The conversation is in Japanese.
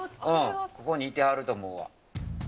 ここにいてはると思うわ。